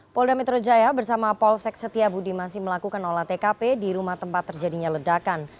polda metro jaya bersama polsek setiabudi masih melakukan olah tkp di rumah tempat terjadinya ledakan